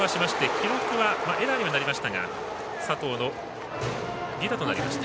記録はエラーにはなりましたが佐藤の犠打となりました。